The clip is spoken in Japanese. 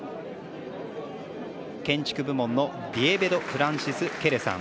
建築部門のディエベド・フランシス・ケレさん。